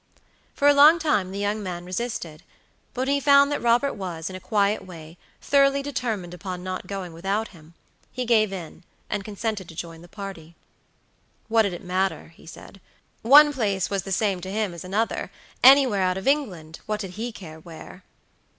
For a long time the young man resisted; but when he found that Robert was, in a quiet way, thoroughly determined upon not going without him, he gave in, and consented to join the party. What did it matter? he said. One place was the same to him as another; anywhere out of England; what did he care where?